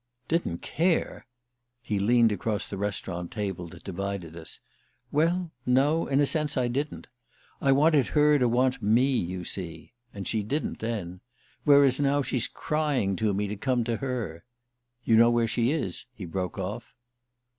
"Didn't care?" He leaned across the restaurant table that divided us. "Well, no, in a sense I didn't. I wanted her to want me, you see; and she didn't then! Whereas now she's crying to me to come to her. You know where she is?" he broke off.